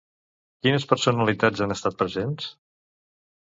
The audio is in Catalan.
Quines personalitats han estat presents?